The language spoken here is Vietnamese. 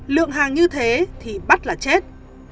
lượng hàng như thế thì bắt là chết